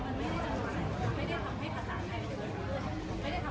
ไม่ได้ทำให้สิทธิภาพของคนเขาสูงขึ้นได้ไหมคะ